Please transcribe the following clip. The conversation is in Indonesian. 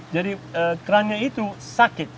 jadi kerangnya itu sakit